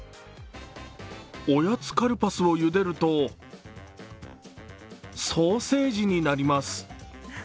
おやつカルパスをゆでると、ソーセージになります。